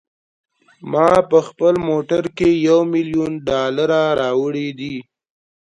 ما په خپل موټر کې یو میلیون ډالره راوړي دي.